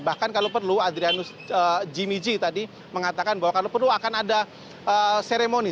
bahkan kalau perlu adrianus jimmyji tadi mengatakan bahwa kalau perlu akan ada seremoni